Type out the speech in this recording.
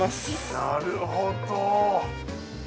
なるほど！